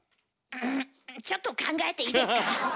んちょっと考えていいですか？